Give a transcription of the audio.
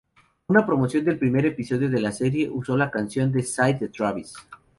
Una promoción del primer episodio de la serie usó la canción Side de Travis.